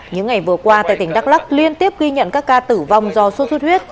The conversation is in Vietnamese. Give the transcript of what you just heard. những ngày vừa qua tại tỉnh đắk lắc liên tiếp ghi nhận các ca tử vong do sốt xuất huyết